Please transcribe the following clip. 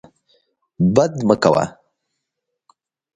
بد مه کوه.